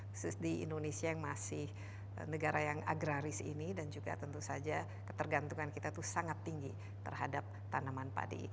khusus di indonesia yang masih negara yang agraris ini dan juga tentu saja ketergantungan kita itu sangat tinggi terhadap tanaman padi